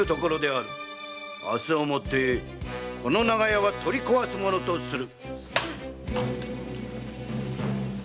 明日をもってこの長屋は取り壊すものとする！